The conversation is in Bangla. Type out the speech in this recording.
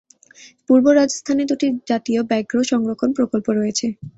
পূর্ব রাজস্থানে দুটি জাতীয় ব্যাঘ্র সংরক্ষণ প্রকল্প রয়েছে।